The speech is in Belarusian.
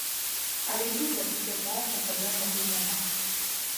Але і тут, як высвятляецца, праблем пакуль няма.